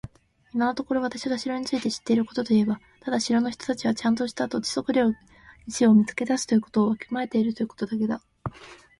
今のところ私が城について知っていることといえば、ただ城の人たちはちゃんとした土地測量技師を見つけ出すことをわきまえているということだけだ。